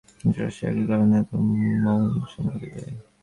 ইরাকের ঘটনা থেকে শিক্ষা নেওয়া যুক্তরাষ্ট্র একই কারণে এতে মৌন সম্মতি দেয়।